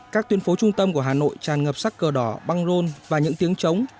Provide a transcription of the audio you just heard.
các tuyến phố trung tâm của hà nội tràn ngập sắc cờ đỏ băng rôn và những tiếng trống